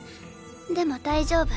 でも大丈夫。